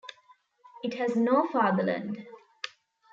It has no fatherland.